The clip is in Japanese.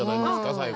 最後。